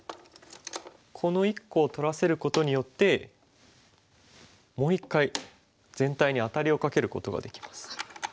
この１個を取らせることによってもう一回全体にアタリをかけることができます。